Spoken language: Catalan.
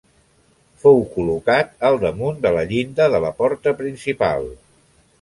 Fou col·locat al damunt de la llinda de la porta principal.